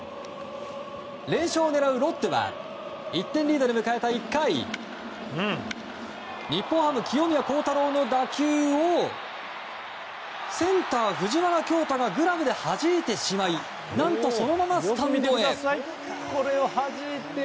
連勝を狙うロッテは１点リードで迎えた１回日本ハム、清宮幸太郎の打球をセンター、藤原恭大がグラブではじいてしまい何と、そのままスタンドへ。